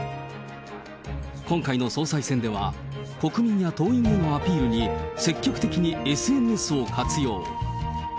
今回の総裁選では、国民や党員へのアピールに積極的にＳＮＳを活用。